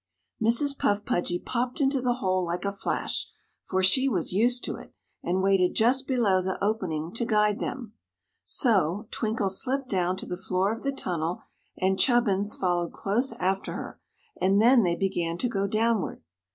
Mrs. Puff Pudgy popped into the hole like a flash, for she was used to it, and waited just below the opening to guide them. So, Twinkle slipped down to the floor of the tunnel and Chubbins followed close after her, and then they began to go downward.